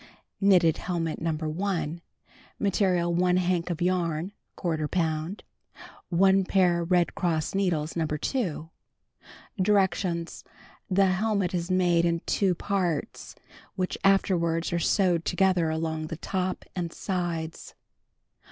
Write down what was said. KNITTED HELMET No. 1 Material: 1 hank of yarn (j lb.); 1 pair Red Cross needles No. 2. Directions : The Helmet is made in 2 parts, which afterwards are sewed together along the top and sides.